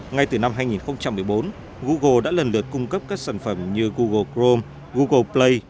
ngay từ năm hai nghìn một mươi bốn google đã lần lượt cung cấp các sản phẩm như google crome google play